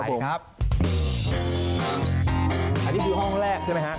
อันนี้คือห้องแรกใช่ไหมฮะ